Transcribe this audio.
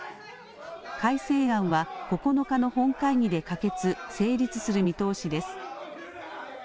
改正案は９日の本会議で可決、成立する見通しです。